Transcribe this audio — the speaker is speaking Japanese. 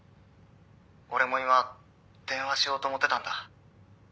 「俺も今電話しようと思ってたんだ」